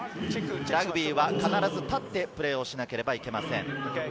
ラグビーは必ず立ってプレーをしなければなりません。